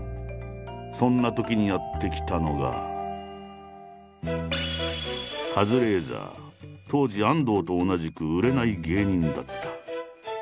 そんなときにやって来たのが当時安藤と同じく売れない芸人だった。